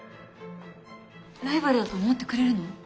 ライバルだと思ってくれるの？